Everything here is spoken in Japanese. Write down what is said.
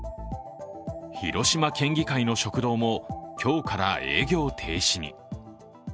広島県議会の食堂も今日から営業停止に。